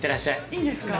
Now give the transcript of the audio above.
◆いいんですか。